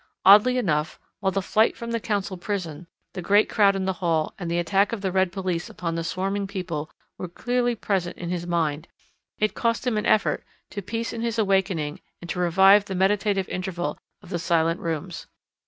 Oddly enough, while the flight from the Council prison, the great crowd in the hall, and the attack of the red police upon the swarming people were clearly present in his mind, it cost him an effort to piece in his awakening and to revive the meditative interval of the Silent Rooms.